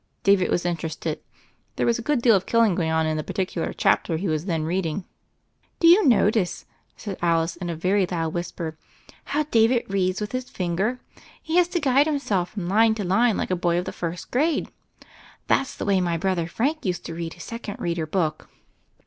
David was interested : there was a good deal of killing going on in the particular chapter he was then reading. "Do you notice," said Alice in a very loud whisper, "how David reads with his finger? He has to guide himself from line to line like a boy of the first grade. That's the way my brother Frank used to read his second reader book."